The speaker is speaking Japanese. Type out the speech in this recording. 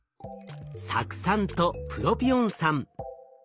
酢酸とプロピオン酸。